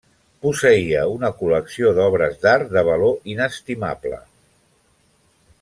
Posseïa una col·lecció d'obres d'art de valor inestimable.